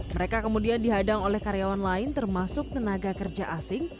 mereka kemudian dihadang oleh karyawan lain termasuk tenaga kerja asing